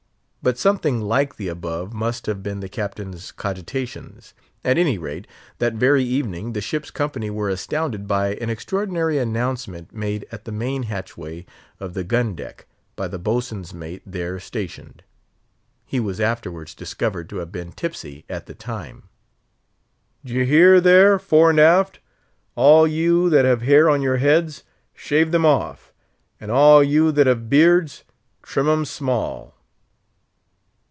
But something like the above must have been the Captain's cogitations. At any rate, that very evening the ship's company were astounded by an extraordinary announcement made at the main hatch way of the gun deck, by the Boat swain's mate there stationed. He was afterwards discovered to have been tipsy at the time. "D'ye hear there, fore and aft? All you that have hair on your heads, shave them off; and all you that have beards, trim 'em small!"